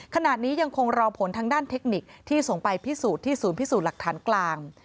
ขณะนี้ยังคงรอผลทางด้านเทคนิคที่ส่งไปพิสูจน์ที่ศูนย์พิสูจน์หลักฐานกลาง